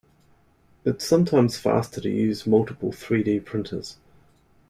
It's sometimes faster to use multiple three-d printers.